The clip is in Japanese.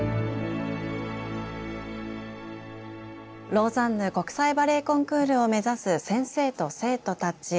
ローザンヌ国際バレエコンクールを目指す先生と生徒たち。